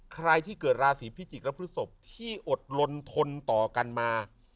ใครที่เกิดราศีพิจิกษ์และพฤศพที่อดลนทนต่อกันมา